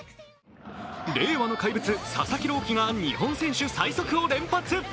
令和の怪物・佐々木朗希が日本選手最速を連発。